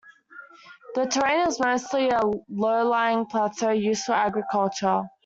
The terrain is mostly a low-lying plateau used for agriculture.